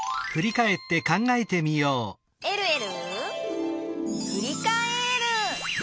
「えるえるふりかえる」